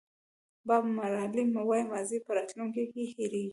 باب مارلې وایي ماضي په راتلونکي کې هېرېږي.